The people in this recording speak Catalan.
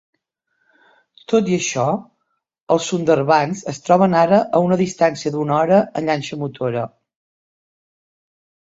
Tot i això, els Sundarbans es troben ara a una distància d'una hora en llanxa motora.